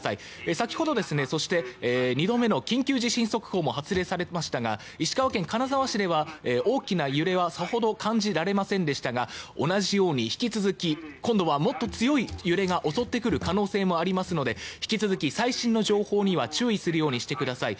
先ほど、そして２度目の緊急地震速報も発令されましたが石川県金沢市では、大きな揺れは感じられませんでしたが同じように引き続き今度はもっと強い揺れが襲ってくる可能性もありますので引き続き最新の情報には注意するようにしてください。